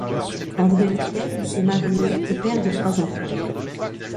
André Leclercq est marié et père de trois enfants.